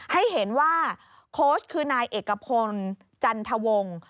ให้เห็นว่าโค้ชคือนายเอกพลจันทวงศ์